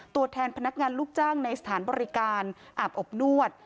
ตัวแทนพนักงานลูกจ้างในสถานบริการอาบอบนวด